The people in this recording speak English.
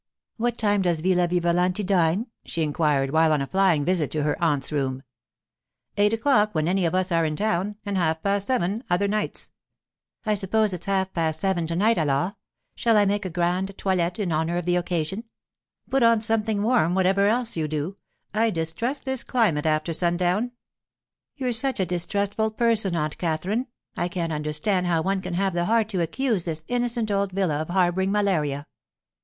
'What time does Villa Vivalanti dine?' she inquired while on a flying visit to her aunt's room. 'Eight o'clock when any of us are in town, and half past seven other nights.' 'I suppose it's half past seven to night, alors! Shall I make a grande toilette in honour of the occasion?' 'Put on something warm, whatever else you do; I distrust this climate after sundown.' 'You're such a distrustful person, Aunt Katherine! I can't understand how one can have the heart to accuse this innocent old villa of harbouring malaria.